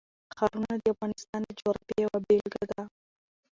ښارونه د افغانستان د جغرافیې یوه بېلګه ده.